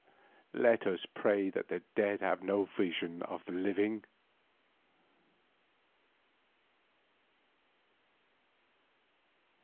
Let us pray that the dead have no vision of the living!